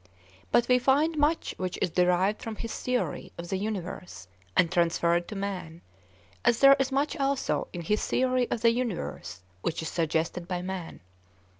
But we find much which is derived from his theory of the universe, and transferred to man, as there is much also in his theory of the universe which is suggested by man.